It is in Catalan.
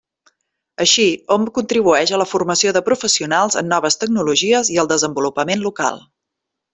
Així, hom contribueix a la formació de professionals en noves tecnologies i al desenvolupament local.